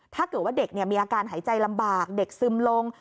ถ้าเกิดว่าเด็กมีอาการหายใจลำบากเด็กซึมลง